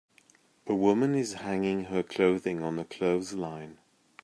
A woman is hanging her clothing on a clothesline.